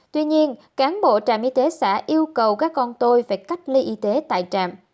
tuy nhiên cán bộ trạm y tế xã yêu cầu các con tôi phải cách ly y tế tại trạm